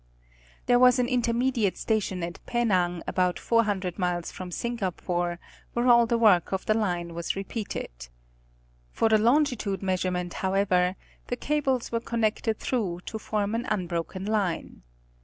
There was an intermediate station at Penang about 400 miles from Singapore, where all the work of the line was repeated. For the longitude measurement however the cables were connected through to form an unbroken line.